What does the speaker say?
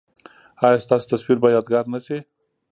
ایا ستاسو تصویر به یادګار نه شي؟